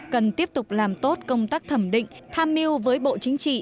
cần tiếp tục làm tốt công tác thẩm định tham mưu với bộ chính trị